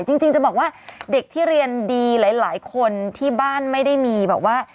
จริงจะบอกว่าเด็กที่เรียนดีหลายคนที่บ้านไม่ได้มีแบบว่า